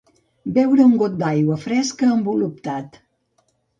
Beure un got d'aigua fresca amb voluptat.